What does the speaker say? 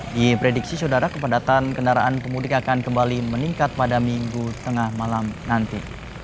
di prediksi saudara kepadatan kendaraan pemudik akan kembali meningkat pada minggu tengah malam nanti